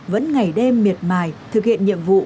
vẫn ngày đêm miệt mài thực hiện nhiệm vụ